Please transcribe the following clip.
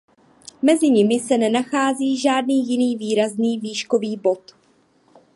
Mezi nimi se nenachází žádný jiný výrazný výškový bod.